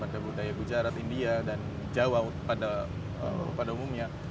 ada budaya gujarat india dan jawa pada umumnya